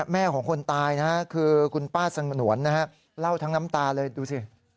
แม่ของคนตายนะฮะคือคุณป้าสงวนนะฮะเล่าทั้งน้ำตาเลยดูสิ